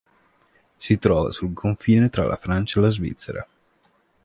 Si trova sul confine tra la Francia e la Svizzera.